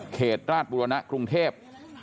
เหตุราชบุรณะกรุงเทพ